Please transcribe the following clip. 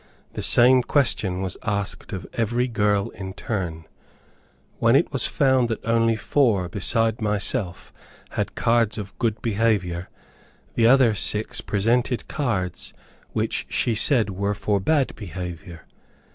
The same question was asked of every girl in turn, when it was found that only four beside myself had cards of good behavior. The other six presented cards which she said were for bad behavior.